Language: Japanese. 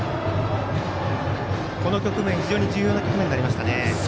この局面重要な局面になりました。